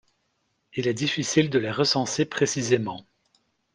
Il est difficile de les recenser précisément.